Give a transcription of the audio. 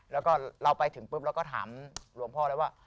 แล้วก็เราไปถึงปุ๊บเราก็ถามหลวงพ่อแล้วว่า